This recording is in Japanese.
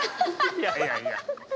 いやいやいや。